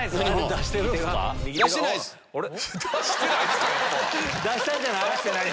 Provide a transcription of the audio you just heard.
出したんじゃない？